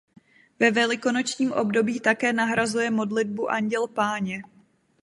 Ve velikonočním období také nahrazuje modlitbu Anděl Páně.